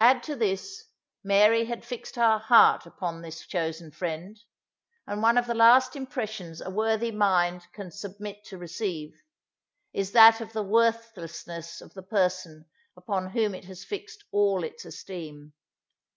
Add to this, Mary had fixed her heart upon this chosen friend; and one of the last impressions a worthy mind can submit to receive, is that of the worthlessness of the person upon whom it has fixed all its esteem.